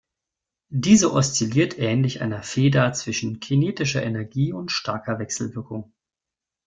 Diese oszilliert ähnlich einer Feder zwischen kinetischer Energie und starker Wechselwirkung.